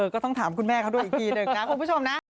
ก็ต้องถามคุณแม่เขาด้วยอีกทีหนึ่งนะคุณผู้ชมนะ